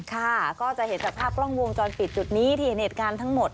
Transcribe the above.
ค่ะก็จะเห็นจากภาพกล้องวงจรปิดจุดนี้ที่เห็นเหตุการณ์ทั้งหมด